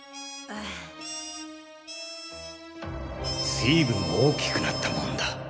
ずいぶん大きくなったもんだ